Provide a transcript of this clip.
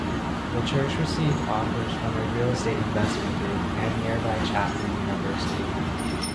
The church received offers from a real estate investment group and nearby Chapman University.